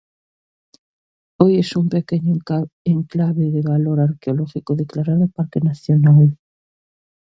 Hoy es un pequeño enclave de valor arqueológico declarado Parque Nacional.